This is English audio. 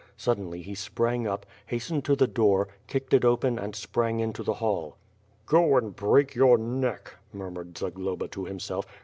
Suddenly he sprang up, hastened to the dc>or, kicked! it o[X'n and sprang into the hall. "(io and break your neck/' murmured Zagloba to himself.